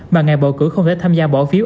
mà ngày bầu cử không thể tham gia bỏ phiếu